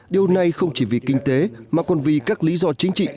điều này không chỉ vì kinh tế mà còn vì các lý do chính trị